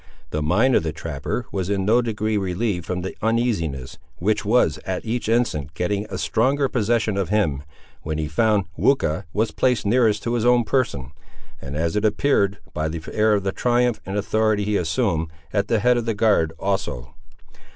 The mind of the trapper was in no degree relieved from the uneasiness which was, at each instant, getting a stronger possession of him, when he found Weucha was placed nearest to his own person, and, as it appeared by the air of triumph and authority he assumed, at the head of the guard also.